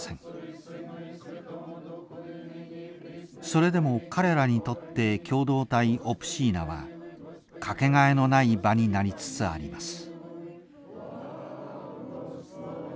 それでも彼らにとって共同体オプシーナは掛けがえのない場になりつつあります。